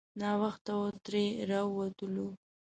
ناوخته وو ترې راووتلو.